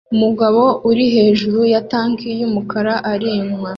Umugabo uri hejuru ya tank yumukara arinywa